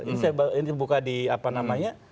ini saya buka di apa namanya